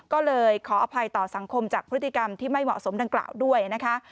ก็เลยขออภัยต่อสังคมจากพฤติกรรมที่ไม่เหมาะสมดังกล่าวด้วยนะคะ